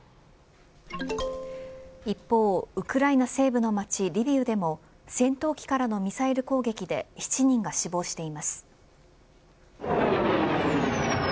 一方、ウクライナ西部の街リビウでも戦闘機からのミサイル攻撃で７人が死亡しています。